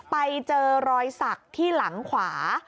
ไปเจอรอยสักที่หลังขวา